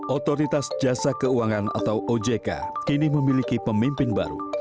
otoritas jasa keuangan atau ojk kini memiliki pemimpin baru